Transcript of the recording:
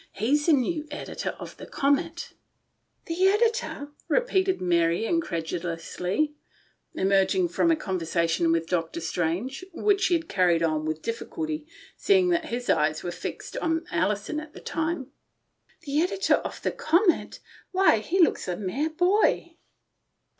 He's the new editor of the Comet" " The editor," repeated Mary increduously, emerging from a conversation with Dr. 102 THE STORY OF A MODERN WOMAN. Strange, which she had carried on with diffi culty, seeing that his eyes were fixed on Alison all the time. "The editor of the Comet ! Why, he looks a mere boy."